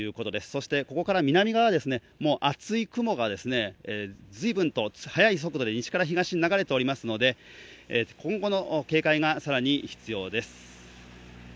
そしてここから南側はもう厚い雲が随分と速い速度で西から東へ流れておりますので今後の警戒が必要です。